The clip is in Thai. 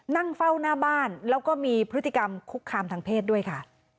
นั่งเฝ้าหน้าบ้านแล้วก็มีพฤติกรรมคุกคามทางเพศด้วยค่ะ